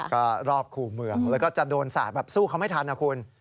ก็รอบคู่เมืองแล้วก็จะโดนสาดแบบสู้เขาไม่ทันนะคุณ